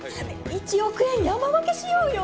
１億円山分けしようよ。